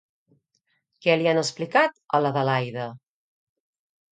Què li han explicat a Adelaida?